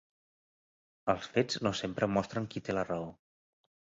Els fets no sempre mostren qui té la raó.